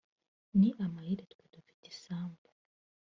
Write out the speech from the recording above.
ni amahire twe dufite isambu